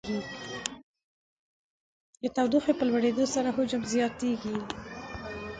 د تودوخې په لوړېدو سره حجم زیاتیږي.